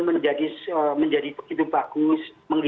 menjadi begitu bagus